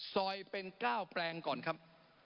ซอยเป็น๙แปลงก่อนครับ